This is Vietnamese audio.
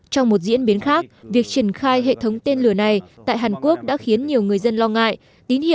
trong một diễn biến khác việc triển khai hệ thống tên lửa này tại hàn quốc đã khiến nhiều người dân lo ngại